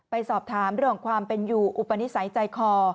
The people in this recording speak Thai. สอบถามเรื่องของความเป็นอยู่อุปนิสัยใจคอ